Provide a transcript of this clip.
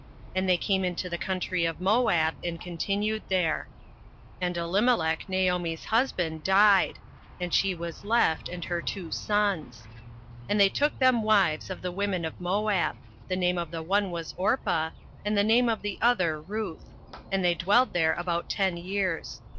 And they came into the country of Moab, and continued there. 08:001:003 And Elimelech Naomi's husband died; and she was left, and her two sons. 08:001:004 And they took them wives of the women of Moab; the name of the one was Orpah, and the name of the other Ruth: and they dwelled there about ten years.